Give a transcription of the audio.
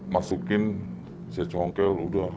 masukin saya congkel udah